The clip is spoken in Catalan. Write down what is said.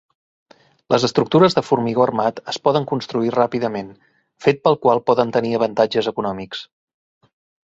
Les estructures de formigó armat es poden construir ràpidament, fet pel qual poden tenir avantatges econòmics.